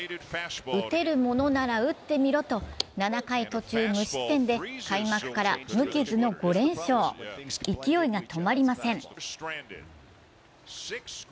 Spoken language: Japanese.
打てるものなら打ってみろと、７回途中無失点で開幕から無傷の５連勝、勢いが止まりません。